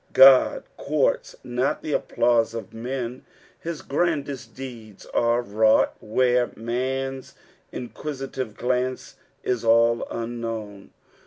Sod courts not the applause of men — his grandest deeds are wrought where man^s inquisitive glance is all unknown.